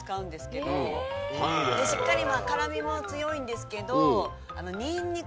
しっかり辛みも強いんですけど。